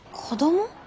子ども？